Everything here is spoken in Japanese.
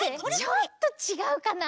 ちょっとちがうかな。